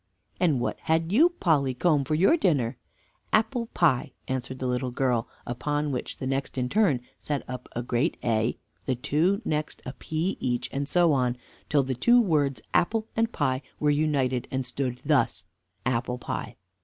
And what had you, Polly Comb, for your dinner? "Apple Pie," answered the little girl; upon which the next in turn set up a great A, the two next a p each, and so on, till the two words Apple and Pie were united and stood thus, Apple Pie.